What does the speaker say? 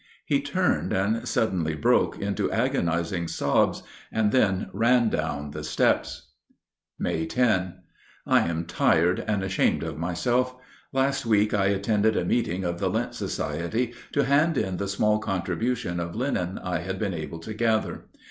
He turned and suddenly broke into agonizing sobs and then ran down the steps. May 10. I am tired and ashamed of myself. Last week I attended a meeting of the lint society to hand in the small contribution of linen I had been able to gather.